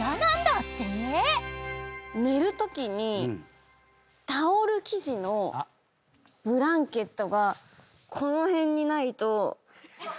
寝るときにタオル生地のブランケットがこの辺にないと寝付き悪いです。